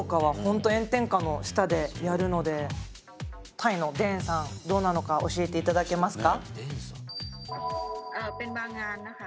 タイのデーンさんどうなのか教えて頂けますか？